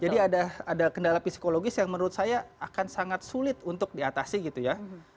jadi ada kendala psikologis yang menurut saya akan sangat sulit untuk diatasi gitu ya